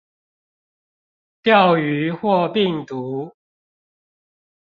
釣魚或病毒